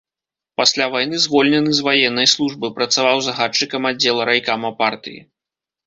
Пасля вайны звольнены з ваеннай службы, працаваў загадчыкам аддзела райкама партыі.